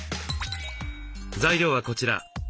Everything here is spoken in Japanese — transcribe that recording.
材料はこちら。